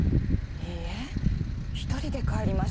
いいえ一人で帰りました。